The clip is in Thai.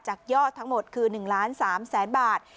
จากยอดทั้งหมดคือ๑๓๐๐๐๐๐บาท